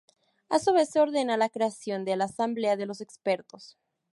A su vez, se ordena la creación de la Asamblea de los Expertos.